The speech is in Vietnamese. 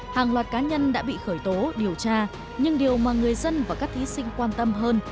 hàng loạt cá nhân đã bị khởi tố điều tra nhưng điều mà người dân và các thí sinh quan tâm hơn